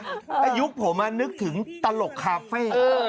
อายุผมนึกถึงตลกคาเฟ่